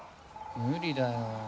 無理だよ。